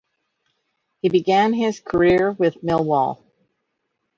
He began his career with Millwall.